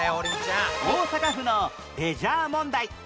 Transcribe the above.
大阪府のレジャー問題